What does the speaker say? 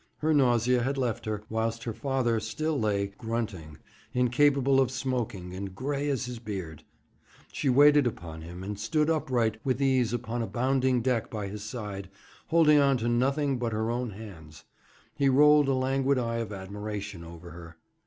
Her nausea had left her, whilst her father still lay grunting, incapable of smoking, and gray as his beard. She waited upon him, and stood upright with ease upon a bounding deck by his side, holding on to nothing but her own hands. He rolled a languid eye of admiration over her.